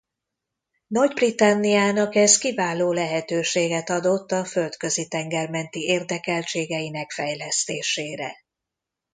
Nagy-Britanniának ez kiváló lehetőséget adott a Földközi-tenger menti érdekeltségeinek fejlesztésére.